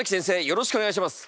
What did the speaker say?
よろしくお願いします。